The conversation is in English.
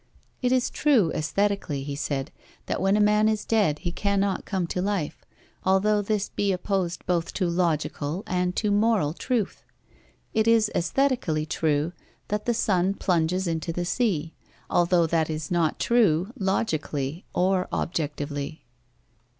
It is true, aesthetically, he said, that when a man is dead he cannot come to life, although this be opposed both to logical and to moral truth. It is aesthetically true that the sun plunges into the sea, although that is not true logically or objectively.